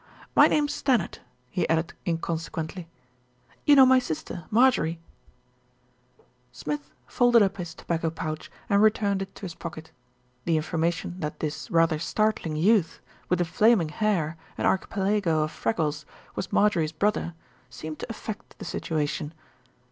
"My name's Stannard," he added inconse quently. "You know my sister, Marjorie." 120 THE RETURN OF ALFRED Smith folded up his tobacco pouch and returned it to his pocket. The information that this rather startling youth, with the flaming hair and archipelago of freckles, was Marjorie's brother, seemed to affect the situation.